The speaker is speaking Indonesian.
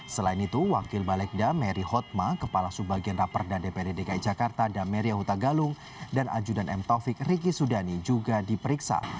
selain itu wakil balegda mary hotma kepala subagian raperda dprd dki jakarta dameria huta galung dan ajudan m taufik riki sudani juga diperiksa